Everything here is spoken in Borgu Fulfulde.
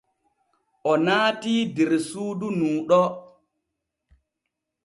O naatii der suudu nuu ɗo.